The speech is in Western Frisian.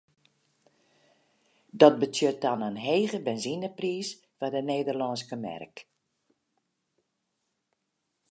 Dat betsjut dan in hege benzinepriis foar de Nederlânske merk.